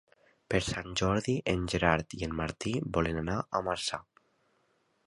Per Sant Jordi en Gerard i en Martí volen anar a Marçà.